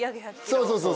そうそうそう。